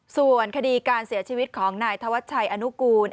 ส่วนคดีการเสียชีวิตของนายธวัชชัยอนุกูล